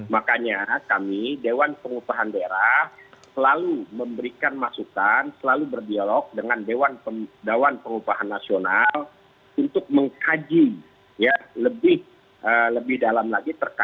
makanya kami dewan pengupahan daerah selalu memberikan masukan selalu berdialog dengan dewan pengupahan nasional untuk mengkaji lebih dalam lagi terkait